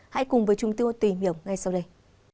hãy cùng với chúng tôi tìm hiểu ngay sau đây